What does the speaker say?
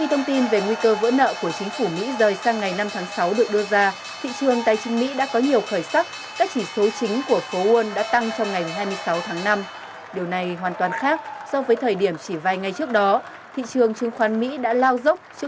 cuối cùng cũng chính phủ phải nhượng bộ của ông obama phải nhượng bộ một số